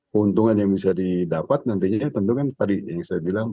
keuntungan yang bisa didapat nantinya tentu kan tadi yang saya bilang